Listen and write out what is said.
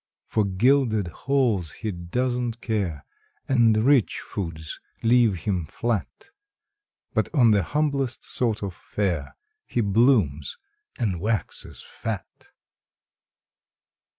For gilded halls he doesn t care, And rich foods leave him flat, But on the humblest sort of fare He blooms, and waxes fat.